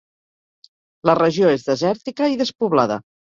La regió és desèrtica i despoblada.